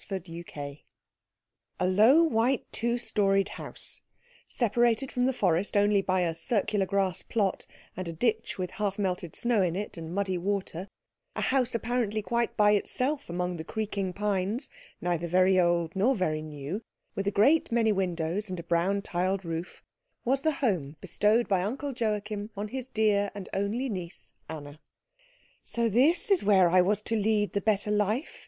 CHAPTER VI A low, white, two storied house, separated from the forest only by a circular grass plot and a ditch with half melted snow in it and muddy water, a house apparently quite by itself among the creaking pines, neither very old nor very new, with a great many windows, and a brown tiled roof, was the home bestowed by Uncle Joachim on his dear and only niece Anna. "So this is where I was to lead the better life?"